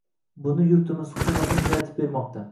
Buni yurtimiz, hukumatimiz yaratib bermoqda.